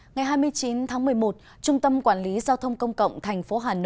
ngày hai mươi chín tháng một mươi một trung tâm quản lý giao thông công cộng tp hcm